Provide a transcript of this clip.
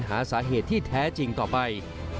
หาสาเหตุที่แท้จริงต่อไป